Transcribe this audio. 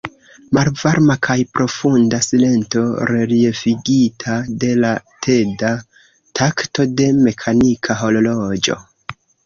Malvarma kaj profunda silento, reliefigita de la teda takto de mekanika horloĝo.